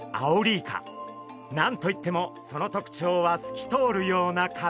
何と言ってもその特徴は透き通るような体！